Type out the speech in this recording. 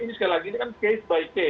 ini sekali lagi ini kan case by case